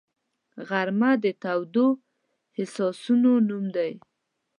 غرمه د تودو احساسونو نوم دی